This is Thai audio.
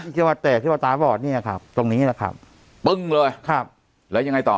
คิดว่าแตกที่ว่าตาบอดเนี่ยครับตรงนี้แหละครับปึ้งเลยครับแล้วยังไงต่อ